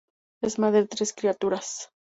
Es madre de tres criaturas.